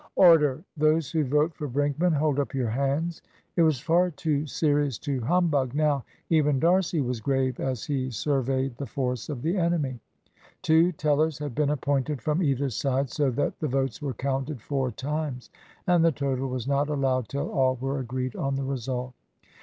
"Order! Those who vote for Brinkman, hold up your hands." It was far too serious to humbug now. Even D'Arcy was grave as he surveyed the force of the enemy. Two tellers had been appointed from either side, so that the votes were counted four times, and the total was not allowed till all were agreed on the result.